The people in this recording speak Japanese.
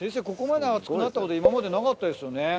ここまで厚くなったこと今までなかったですよね。